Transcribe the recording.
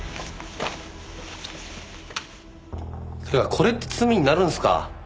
これって罪になるんですか？